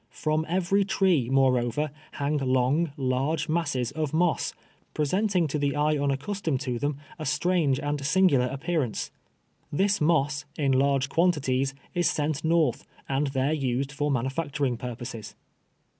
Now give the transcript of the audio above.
From every tree, moreover, liang long, large masses of moss, presenting to the eye unaccustomed to them, a striking and singular appear ance. This moss, in lai'ge (}uantities, is sent north, and there used for manufacturing purposes.